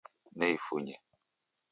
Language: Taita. Neifunye